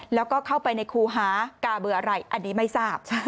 แล้วก็เข้าไปในครูหากาเบอร์อะไรอันนี้ไม่ทราบ